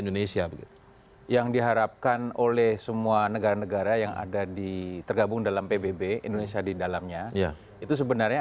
indonesia di dalamnya itu sebenarnya